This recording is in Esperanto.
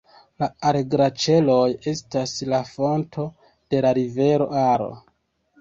La Ar-Glaĉeroj estas la fonto de la rivero Aro.